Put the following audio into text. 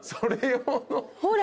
ほら。